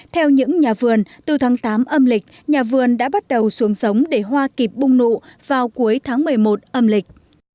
theo những nhà vườn từ tháng tám âm lịch nhà vườn đã bắt đầu xuống giống để hoa kịp bung nụ vào cuối tháng một mươi một âm lịch